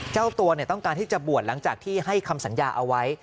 เจ้าตัวต้องการที่จะบวชหลังจากที่ให้คำสัญญาเอาไว้